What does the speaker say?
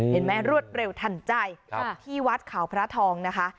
เห็นมั้ยรวดเร็วทันใจที่วัดขาวพระทองนะคะ